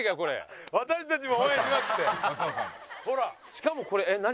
しかもこれえっ何？